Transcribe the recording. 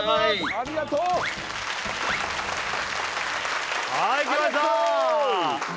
ありがとうはいきましたありがとー！